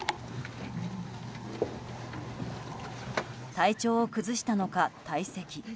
体調を崩したのか、退席。